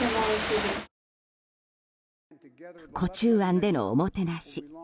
壺中庵でのおもてなし。